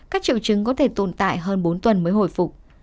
các triệu chứng có thể tồn tại hơn bốn tuần mới hồi phục